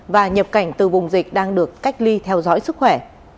và nhập cảnh từ vùng dịch đang được cách ly theo dõi sức khỏe